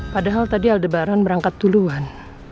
padahal tadi aldebaran berangkat duluan